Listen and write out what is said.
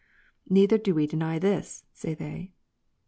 " Neither do we deny this," say they.